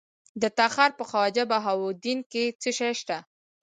د تخار په خواجه بهاوالدین کې څه شی شته؟